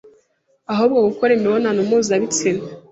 ahurwa gukora imibonano mpuzabitsina